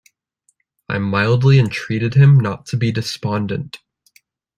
I mildly entreated him not to be despondent.